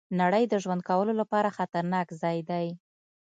نړۍ د ژوند کولو لپاره خطرناک ځای دی.